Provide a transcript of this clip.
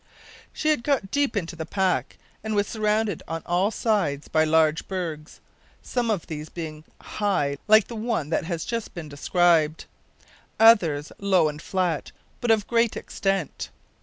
She had got deep into the pack, and was surrounded on all sides by large bergs, some of these being high, like the one that has just been described, others low and flat but of great extent.